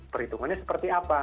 perhitungannya seperti apa